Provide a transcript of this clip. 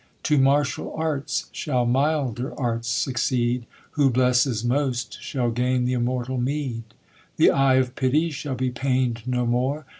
To martial arts, shall milder arts succeed ; Who blesses most, shall gain th' immortal meed. The eye of pity shall be pain'd no more.